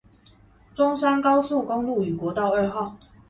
中山高速公路與國道二號